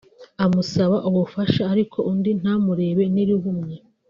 amusaba ubufasha ariko undi ntamurebe n’irihumye